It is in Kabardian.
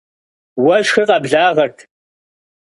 Уэшхыр къэблагъэрт.